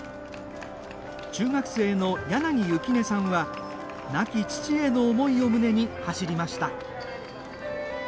中学生の柳柚姫音さんは亡き父への思いを胸に走りました。